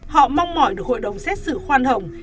họ mong mỏi được hội đồng xét xử khoan hồng